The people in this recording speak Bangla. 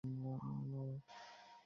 আমাদের গোত্রের দেবতার মন্দির এখানে?